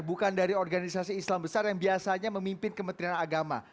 bukan dari organisasi islam besar yang biasanya memimpin kementerian agama